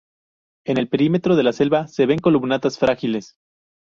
En el perímetro de la sala se ven columnatas frágiles.